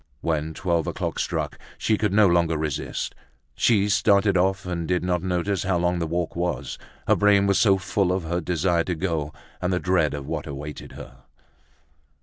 When twelve o'clock struck, she could no longer resist; she started off and did not notice how long the walk was, her brain was so full of her desire to go and the dread of what awaited her.